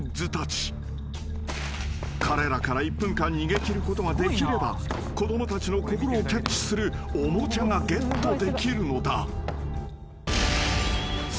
［彼らから１分間逃げ切ることができれば子供たちの心をキャッチするおもちゃがゲットできるのだ］